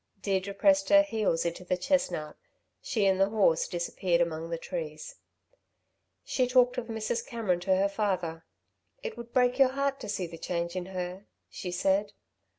Deirdre pressed her heels into the chestnut: she and the horse disappeared among the trees. She talked of Mrs. Cameron to her father. "It would break your heart to see the change in her," she said.